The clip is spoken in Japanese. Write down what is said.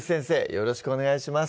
よろしくお願いします